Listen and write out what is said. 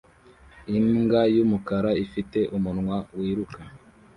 Imbwa yumukara ifite umunwa wiruka